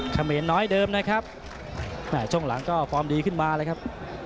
เขมรน้อยเดิมนะครับช่วงหลังก็ฟอร์มดีขึ้นมาเลยครับ